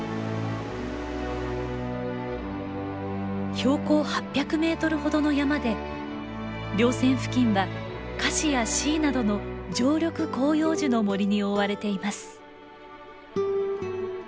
標高８００メートルほどの山で稜線付近はカシやシイなどの常緑広葉樹の森に覆われています。